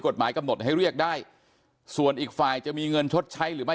กฎหมายกำหนดให้เรียกได้ส่วนอีกฝ่ายจะมีเงินชดใช้หรือไม่